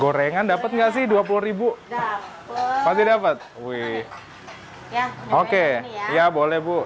gorengan dapat nggak sih dua puluh ribu dapat pasti dapat wih oke boleh bu